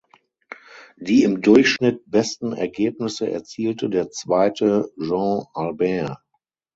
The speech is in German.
Die im Durchschnitt besten Ergebnisse erzielte der Zweite Jean Albert.